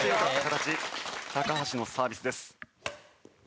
橋のサービスです。